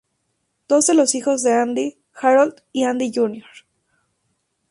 Dos de los hijos de Andy, Harold y Andy Jr.